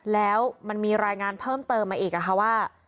แล้วมันมีรายงานเพิ่มเติมมาอีกค่ะว่า